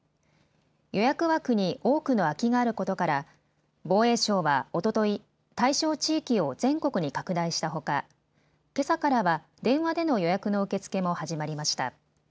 予約枠に多くの空きがあることから防衛省はおととい、対象地域を全国に拡大したほかけさからは電話での予約の受け付けも始まりました。